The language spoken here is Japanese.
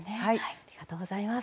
ありがとうございます。